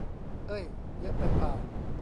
เอ้ย เยอะไปป่าว